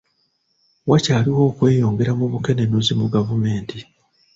Wakyaliwo okweyongera mu bukenenuzi mu gavumenti.